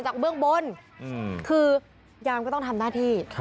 คือยานก็ต้องทำหน้าที่